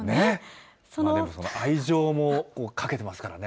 愛情もかけてますからね。